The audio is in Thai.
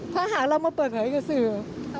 นะหากเรามาเปิดข่าวให้เขาสื่อ